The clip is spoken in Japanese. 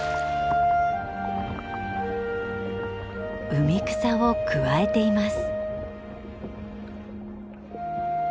海草をくわえています。